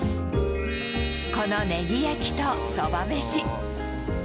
このネギ焼きとそばめし。